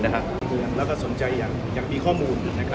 แล้วก็สนใจอยากมีข้อมูล